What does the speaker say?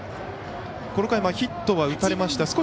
この回、ヒットは打たれました。